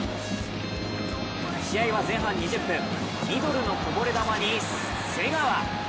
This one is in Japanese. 試合は前半２０分、ミドルのこぼれ球に瀬川。